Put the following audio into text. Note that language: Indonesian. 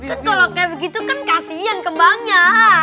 kan kalau kayak begitu kan kasian kembangnya